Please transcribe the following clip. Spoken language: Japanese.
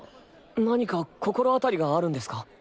何か心当たりがあるんですか？